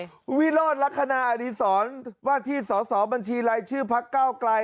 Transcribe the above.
คุณวิโรธลักษณะอดีศรว่าที่สอสอบัญชีรายชื่อพักเก้าไกล